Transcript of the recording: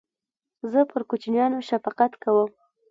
زه پر کوچنیانو شفقت کوم.